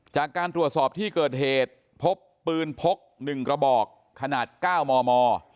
จากการตรวจสอบที่เกิดเหตุพบปืนพก๑กระบอกขนาด๙มม